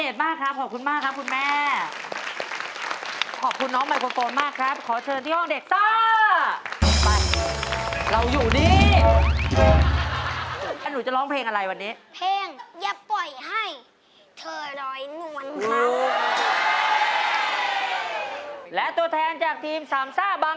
นะครับจะมาในหมดเพลงอย่าปล่อยให้เธอร้อยน้วน